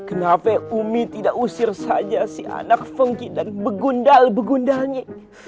kenave umi tidak usir saja si anak fungki dan begundal begundalnya